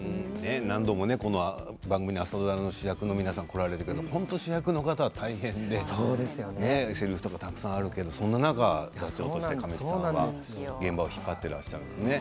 何度も、この番組に朝ドラの主役は皆さん来られたけれども本当に主役の方は大変でせりふとかたくさんあってそんな中、神木さんが現場を引っ張っているんですね。